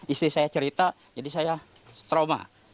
istri saya cerita jadi saya trauma